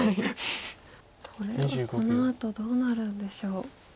これはこのあとどうなるんでしょう。